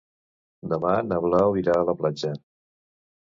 Demà na Blau irà a la platja.